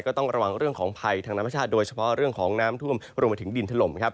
ก็ต้องระวังเรื่องของไพท์ทางน้ำชาติโดยเฉพาะเรื่องของน้ำทุ่มรวมมาถึงดินทะลม